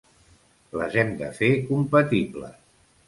Les hem de fer compatibles.